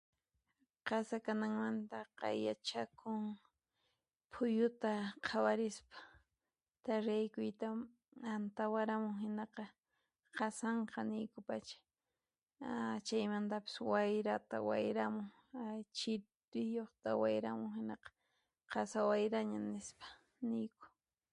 Qasa kananmantaqa yachakun phuyuta qhawarispa, qhawaykuyku antawaramanhinaqa qasanqa niyku pacha a chaymantapas wayrata wayramun a chiriyuqta wayramunhinaqa qasa wayraña nispa niyku.